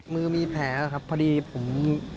มือมีแผลครับพอดีผม